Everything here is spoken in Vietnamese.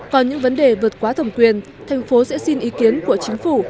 còn những vấn đề vượt quá thẩm quyền tp hcm sẽ xin ý kiến của chính phủ